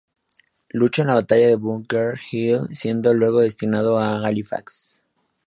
Luchó en la Batalla de Bunker Hill siendo luego destinado a Halifax.